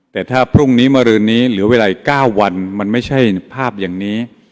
แต่ถ้าพรุ่งนี้มารืนนี้เหลือเวลาอีก๙วันมันไม่ใช่ภาพอย่างนี้